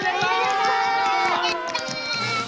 やった！